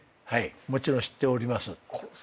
もちろん知っております。